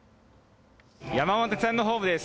山手線のホームです。